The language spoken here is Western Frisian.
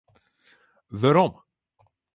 Werom.